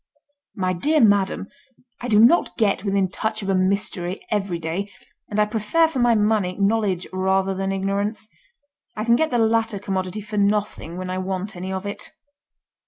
"My dear madam, I do not get within touch of a mystery every day, and I prefer for my money knowledge rather than ignorance. I can get the latter commodity for nothing when I want any of it."